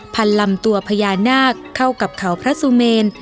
ลำตัวพญานาคเข้ากับเขาพระสุเมน